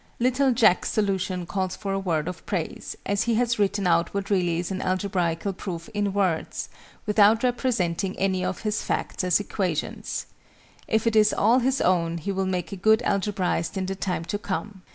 LITTLE JACK'S solution calls for a word of praise, as he has written out what really is an algebraical proof in words, without representing any of his facts as equations. If it is all his own, he will make a good algebraist in the time to come.